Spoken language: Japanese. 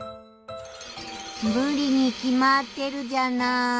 むりに決まってるじゃない。